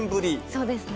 そうですね。